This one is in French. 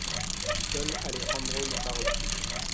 Seul Alejandro n'est pas repris.